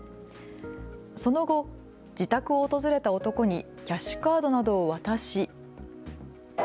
その後、自宅を訪れた男にキャッシュカードなどを渡し。